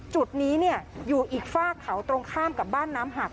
จุดนี้อยู่อีกฝากเขาตรงข้ามกับบ้านน้ำหัก